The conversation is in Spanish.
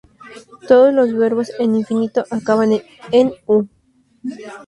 Todos los verbos en infinitivo acaban en "u".